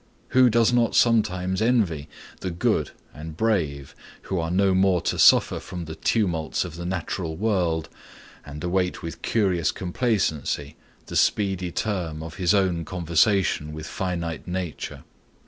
Who does not sometimes envy the good and brave who are no more to suffer from the tumults of the natural world, and await with curious complacency the speedy term of his own conversation with finite nature?